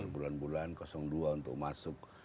bulan bulan dua untuk masuk